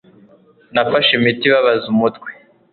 Nafashe imiti ibabaza umutwe.